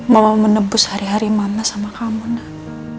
mama menebus hari hari mama sama kamu nak